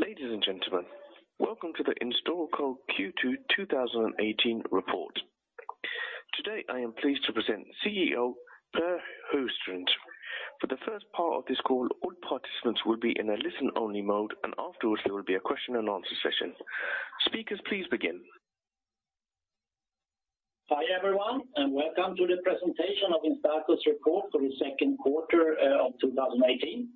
Ladies and gentlemen, welcome to the Instalco Q2 2018 report. Today, I am pleased to present CEO, Per Sjöstrand. For the first part of this call, all participants will be in a listen-only mode. Afterwards, there will be a question-and-answer session. Speakers, please begin. Hi, everyone, and welcome to the presentation of Instalco's report for the second quarter of 2018.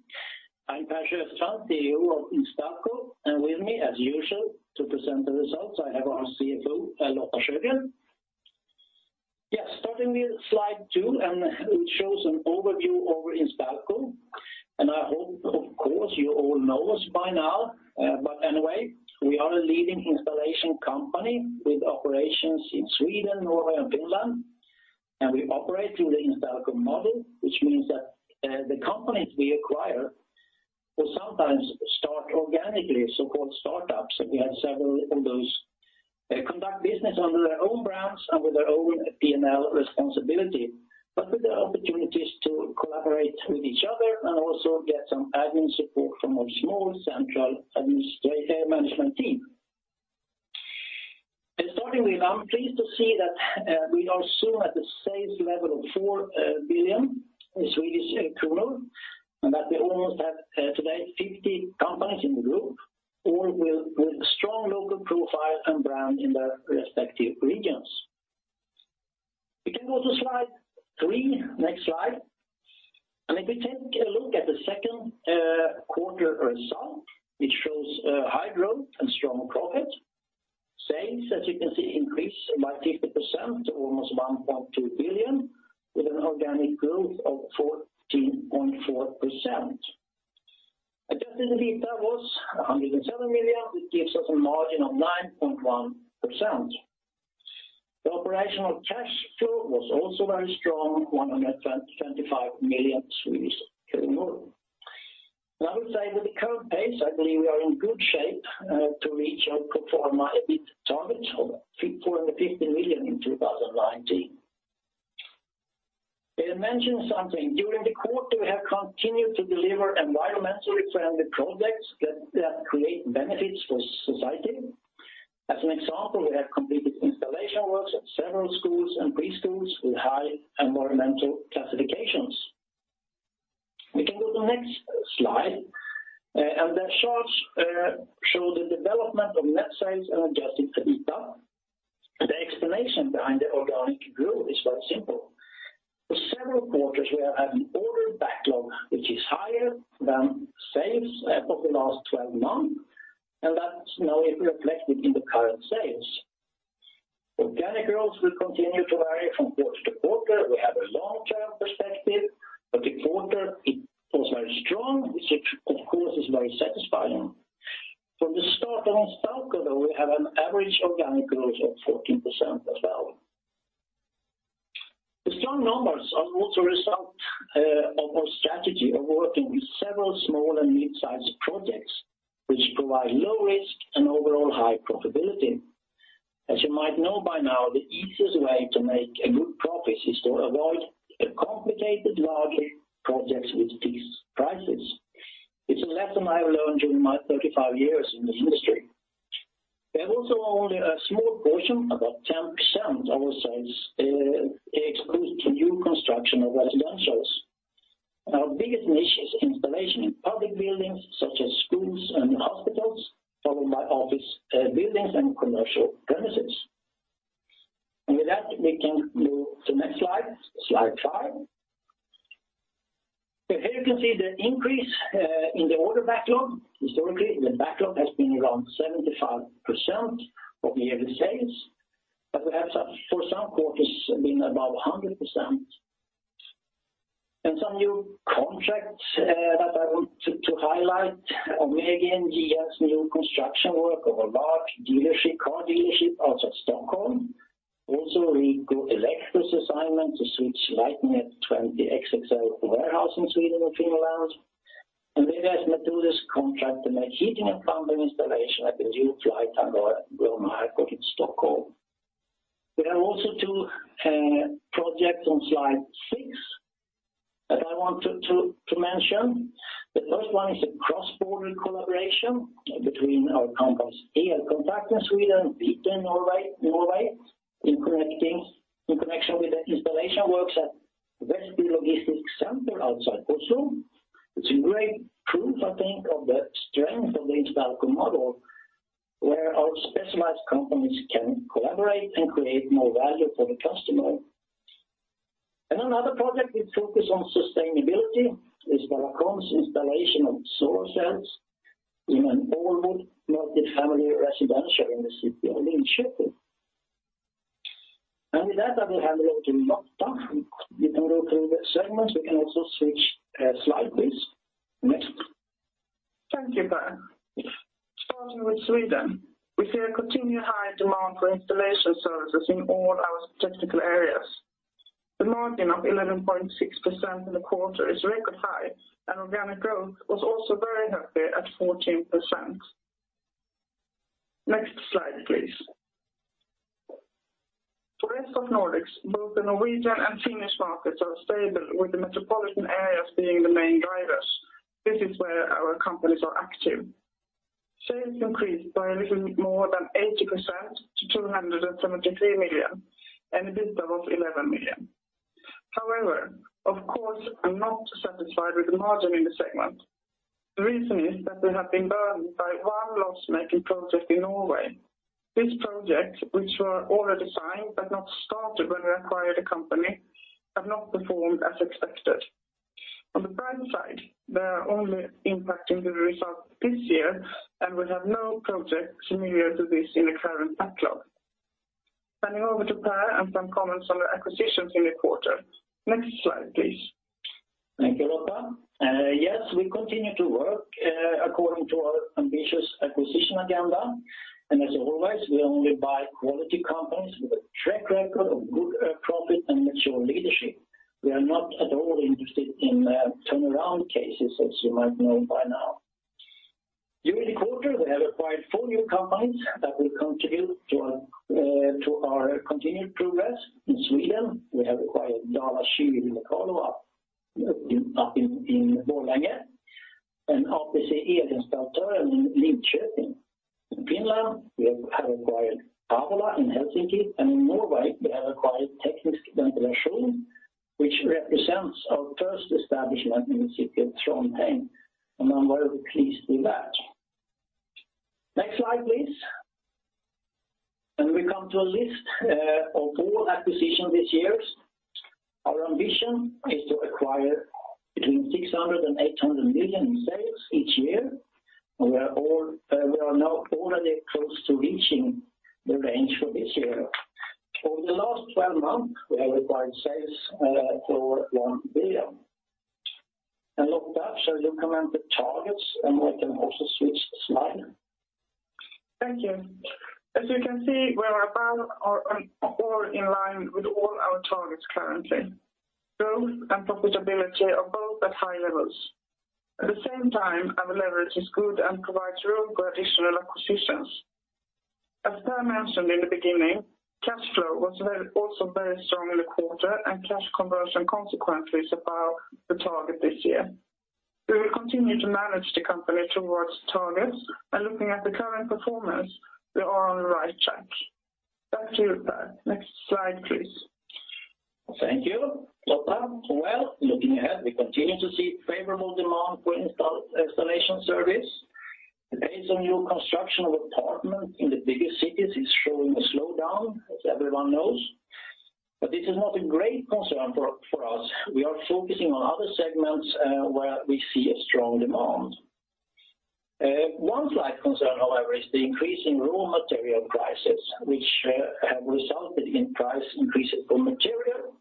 I'm Per Sjöstrand, CEO of Instalco, and with me, as usual, to present the results, I have our CFO, Lotta Sjögren. Yes, starting with Slide 2, it shows an overview over Instalco. I hope, of course, you all know us by now. Anyway, we are a leading installation company with operations in Sweden, Norway, and Finland, and we operate through the Instalco model, which means that the companies we acquire will sometimes start organically, so-called startups, and we have several of those. They conduct business under their own brands and with their own P&L responsibility, but with the opportunities to collaborate with each other and also get some admin support from our small central management team. Starting with, I'm pleased to see that we are soon at the sales level of 4 billion Swedish kronor, and that we almost have today, 50 companies in the group, all with strong local profile and brand in their respective regions. We can go to Slide 3. Next slide. If we take a look at the second quarter result, which shows high growth and strong profit, sales, as you can see, increased by 50% to almost 1.2 billion, with an organic growth of 14.4%. Adjusted EBITA was 107 million, which gives us a margin of 9.1%. The operational cash flow was also very strong, SEK 125 million. I would say with the current pace, I believe we are in good shape to reach our pro forma EBITA targets of SEK 450 million in 2019. I will mention something. During the quarter, we have continued to deliver environmentally friendly projects that create benefits for society. As an example, we have completed installation works at several schools and preschools with high environmental classifications. We can go to the next slide, and the charts show the development of net sales and adjusted EBITA. The explanation behind the organic growth is very simple. For several quarters, we have had an order backlog, which is higher than sales of the last 12 months, and that's now reflected in the current sales. Organic growth will continue to vary from quarter to quarter. We have a long-term perspective, but the quarter, it was very strong, which, of course, is very satisfying. From the start of Instalco, though, we have an average organic growth of 14% as well. The strong numbers are also a result of our strategy of working with several small and mid-sized projects, which provide low risk and overall high profitability. As you might know by now, the easiest way to make a good profit is to avoid a complicated, large projects with these prices. It's a lesson I learned during my 35 years in this industry. There are also only a small portion, about 10% of our sales, exposed to new construction of residentials. Our biggest niche is installation in public buildings, such as schools and hospitals, followed by office buildings and commercial premises. With that, we can move to the next Slide 5. Here you can see the increase in the order backlog. Historically, the backlog has been around 75% of the annual sales, but we have for some quarters, been above 100%. Some new contracts that I want to highlight, Ohmegi has new construction work of a large dealership, car dealership, out of Stockholm. Also, we got El-Ex's assignment to switch lighting at 20 XXL warehouse in Sweden and Finland. We have Meteolus contract to make heating and pumping installation at the new fly terminal at Bromma Airport in Stockholm. We have also two projects on Slide 6 that I want to mention. The first one is a cross-border collaboration between our companies, Elkontakt in Sweden, and Vito in Norway, in connection with the installation works at Vestby Logistics Center outside Oslo. It's a great proof, I think, of the strength of the Instalco model, where our specialized companies can collaborate and create more value for the customer. Another project, we focus on sustainability, is Vallacom's installation of solar cells in an onward multifamily residential in the city of Linköping. With that, I will hand over to Lotta. We can go through the segments. We can also switch, slide, please. Next. Thank you, Per. Starting with Sweden, we see a continued high demand for installation services in all our statistical areas. The margin of 11.6% in the quarter is record high. Organic growth was also very healthy at 14%. Next slide, please. Rest of Nordics, both the Norwegian and Finnish markets are stable, with the metropolitan areas being the main drivers. This is where our companies are active. Sales increased by a little more than 80% to 273 million, and EBITA of 11 million. Of course, I'm not satisfied with the margin in the segment. The reason is that we have been burned by one loss-making project in Norway. These projects, which were already signed but not started when we acquired the company, have not performed as expected. On the bright side, they are only impacting the results this year. We have no projects similar to this in the current backlog. Turning over to Per and some comments on the acquisitions in the quarter. Next slide, please. Thank you, Lotta Sjögren. Yes, we continue to work according to our ambitious acquisition agenda, and as always, we only buy quality companies with a track record of good profit and mature leadership. We are not at all interested in turnaround cases, as you might know by now. During the quarter, we have acquired four new companies that will contribute to our continued progress. In Sweden, we have acquired Dala Kylmecano up in Borlänge, and ABC Elinstallatörer in Linköping. In Finland, we have acquired A-Vola in Helsinki, and in Norway, we have acquired Teknisk Ventilasjon, which represents our first establishment in the city of Trondheim, and I'm very pleased with that. Next slide, please. We come to a list of all acquisitions this year. Our ambition is to acquire between 600 million-800 million in sales each year, we are now already close to reaching the range for this year. Over the last 12 months, we have acquired sales for SEK 1 billion. Lotta, shall you comment the targets, and we can also switch the slide? Thank you. As you can see, we are above or in line with all our targets currently. Growth and profitability are both at high levels. At the same time, our leverage is good and provides room for additional acquisitions. As Per mentioned in the beginning, cash flow was also very strong in the quarter, and cash conversion consequently is above the target this year. We will continue to manage the company towards targets, and looking at the current performance, we are on the right track. Back to you, Per. Next slide, please. Thank you, Lotta Sjögren. Well, looking ahead, we continue to see favorable demand for installation service. The pace on new construction of apartments in the bigger cities is showing a slowdown, as everyone knows. This is not a great concern for us. We are focusing on other segments where we see a strong demand. One slight concern, however, is the increase in raw material prices, which have resulted in price increases for material.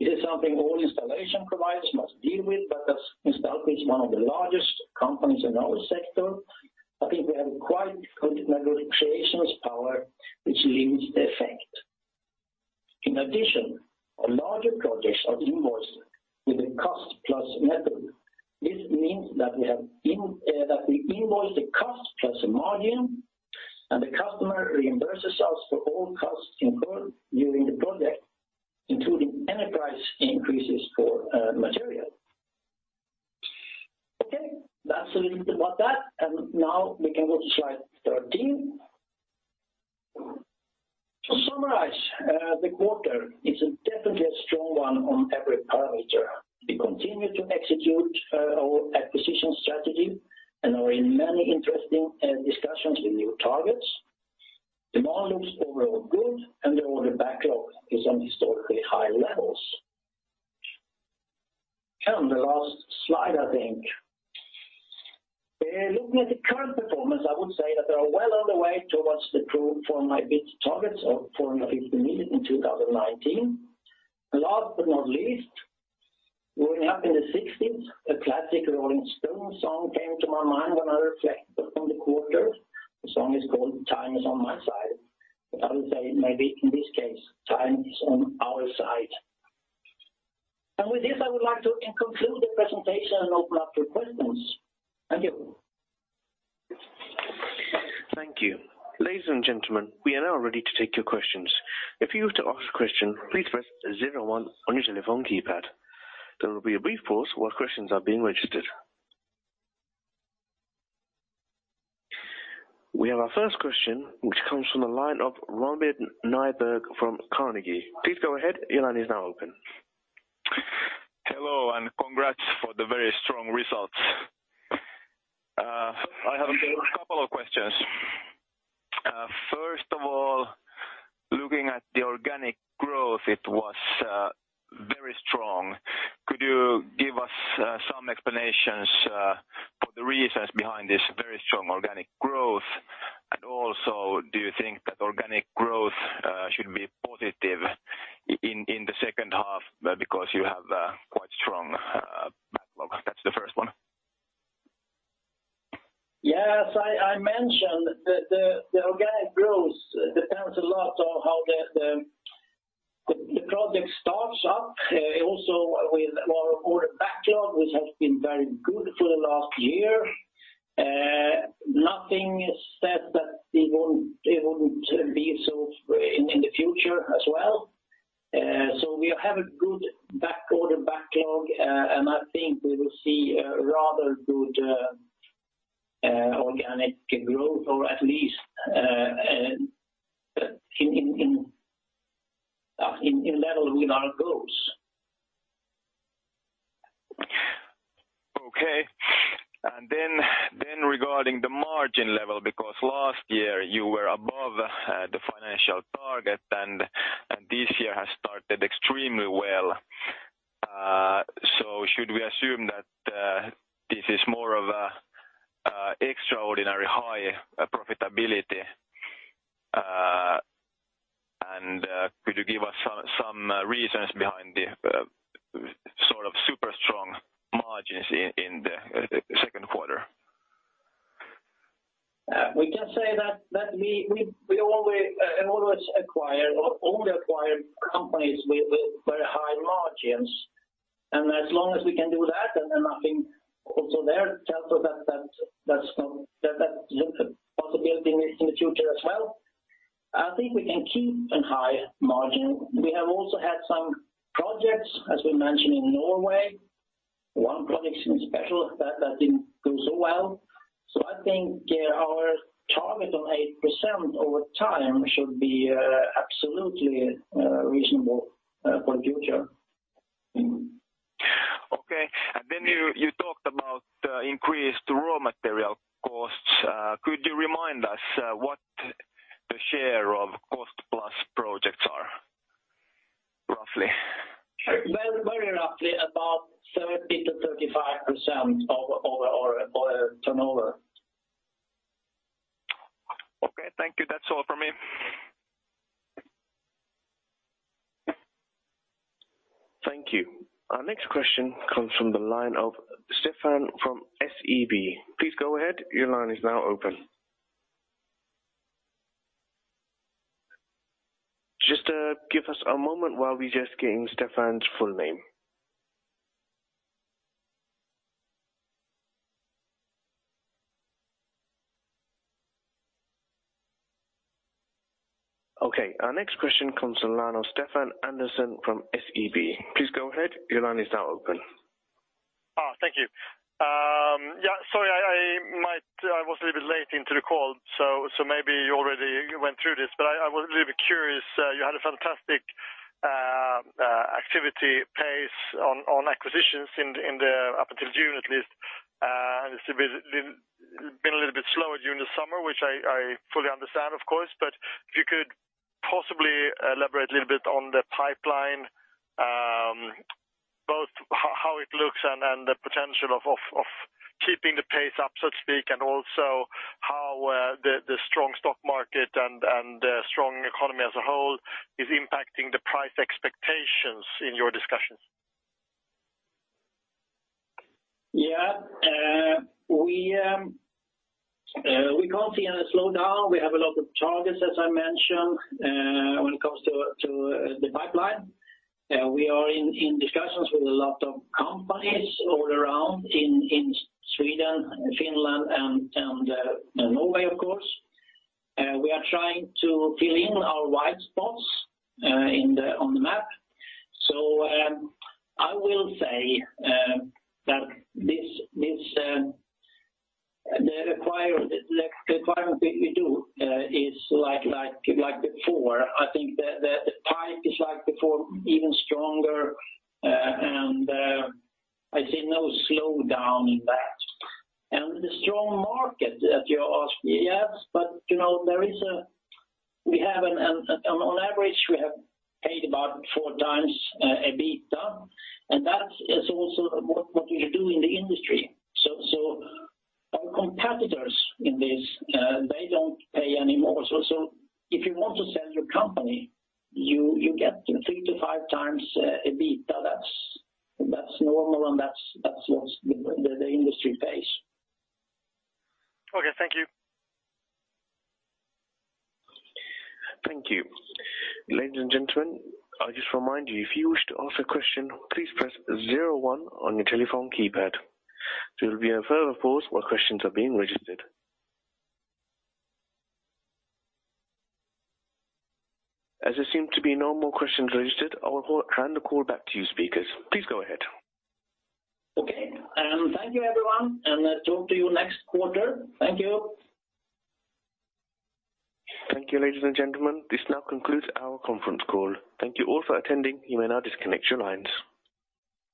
This is something all installation providers must deal with. As Instalco is one of the largest companies in our sector, I think we have quite negotiation power, which limits the effect. Our larger projects are invoiced with a cost-plus method. This means that we have that we invoice the cost-plus a margin, and the customer reimburses us for all costs incurred during the project, including any price increases for material. Okay, that's a little bit about that, and now we can go to Slide 13. To summarize, the quarter is definitely a strong one on every parameter. We continue to execute our acquisition strategy and are in many interesting discussions with new targets. Demand looks overall good, and the order backlog is on historically high levels. The last slide, I think. Looking at the current performance, I would say that we are well on the way towards the group pro forma EBITA targets of 450 million in 2019. Last but not least, growing up in the sixties, a classic The Rolling Stones song came to my mind when I reflected on the quarter. The song is called Time Is On My Side, but I would say maybe in this case, time is on our side. With this, I would like to conclude the presentation and open up to questions. Thank you. Thank you. Ladies and gentlemen, we are now ready to take your questions. If you are to ask a question, please press zero-one on your telephone keypad. There will be a brief pause while questions are being registered. We have our first question, which comes from the line of Robert Nyberg from Carnegie. Please go ahead. Your line is now open. Hello, and congrats for the very strong results. I have a couple of questions. First of all, looking at the organic growth, it was very strong. Could you give us some explanations for the reasons behind this very strong organic growth? Also, do you think that organic growth should be positive in the second half because you have a quite strong backlog? That's the first one. Yes, I mentioned that the organic growth depends a lot on how the project starts up, also with our order backlog, which has been very good for the last year. Nothing is said that it won't, it wouldn't be so in the future as well. We have a good back order backlog, and I think we will see a rather good organic growth, or at least in level with our goals. Okay. Then regarding the margin level, because last year you were above the financial target, and this year has started extremely well. Should we assume that this is more of an extraordinary high profitability? Could you give us some reasons behind the sort of super strong margins in the second quarter? We can say that we always acquire or only acquire companies with very high margins. As long as we can do that, then nothing also there tells us that's not that possibility in the future as well. I think we can keep a high margin. We have also had some projects, as we mentioned, in Norway. One project in special that didn't go so well. I think our target of 8% over time should be absolutely reasonable for the future. Okay. Then you talked about increased raw material costs. Could you remind us what the share of cost-plus projects are, roughly? Well, very roughly, about 30%-35% of our turnover. Okay, thank you. That's all from me. Thank you. Our next question comes from the line of Stefan from SEB. Please go ahead, your line is now open. Just give us a moment while we just getting Stefan's full name. Okay, our next question comes from the line of Stefan Andersson from SEB. Please go ahead, your line is now open. Thank you. Yeah, sorry, I was a little bit late into the call, so maybe you already went through this, but I was a little bit curious. You had a fantastic activity pace on acquisitions in the up until June, at least. It's been a little bit slower during the summer, which I fully understand, of course. If you could possibly elaborate a little bit on the pipeline, both how it looks and the potential of keeping the pace up, so to speak, and also how the strong stock market and the strong economy as a whole is impacting the price expectations in your discussions. Yeah, we can't see any slowdown. We have a lot of targets, as I mentioned, when it comes to the pipeline. We are in discussions with a lot of companies all around in Sweden, Finland, and Norway, of course. We are trying to fill in our white spots on the map. I will say that this, the acquiring thing we do, is like before. I think the pipe is like before, even stronger, and I see no slowdown in that. The strong market, as you ask, yes, but, you know, there is a, we have an, on average, we have paid about four times EBITA, and that is also what you do in the industry. Our competitors in this, they don't pay any more. If you want to sell your company, you get three-five times EBITA. That's normal, and that's what's the industry pays. Okay, thank you. Thank you. Ladies and gentlemen, I just remind you, if you wish to ask a question, please press zer one on your telephone keypad. There will be a further pause while questions are being registered. As there seem to be no more questions registered, I will hand the call back to you speakers. Please go ahead. Okay, thank you, everyone, and talk to you next quarter. Thank you. Thank you, ladies and gentlemen. This now concludes our conference call. Thank you all for attending. You may now disconnect your lines.